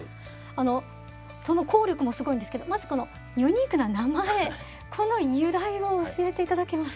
あのその効力もすごいんですけどまずこのユニークな名前この由来を教えていただけますか？